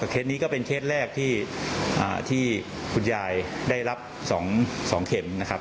เคสนี้ก็เป็นเคสแรกที่คุณยายได้รับ๒เข็มนะครับ